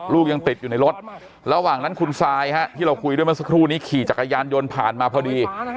ลูกยังติดอยู่ในรถระหว่างนั้นคุณซายที่เราคุยด้วยเมื่อสักครู่นี้ขี่จักรยานยนต์ผ่านมาพอดี